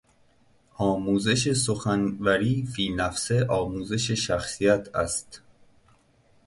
آموزش سخنوری فینفسه آموزش شخصیت است.